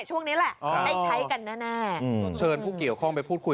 คุณผู้ชมครับคุณผู้ชมครับคุณผู้ชมครับ